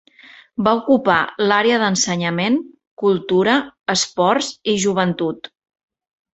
Va ocupar l'àrea d'Ensenyament, Cultura, Esports i Joventut.